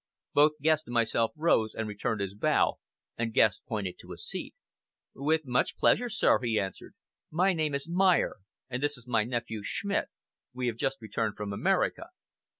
Both Guest and myself rose and returned his bow, and Guest pointed to a seat. "With much pleasure, sir," he answered. "My name is Mayer, and this is my nephew Schmidt. We have just returned from America."